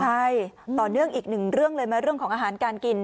ใช่ต่อเนื่องอีกหนึ่งเรื่องเลยไหมเรื่องของอาหารการกิน